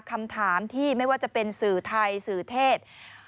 คำถามที่ไม่ว่าจะเป็นสื่อไทยสื่อเทศ